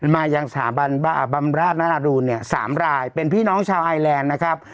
มายังสถาบันบำราชนาราดูนเนี่ย๓รายเป็นพี่น้องชาวไอแลนด์นะครับ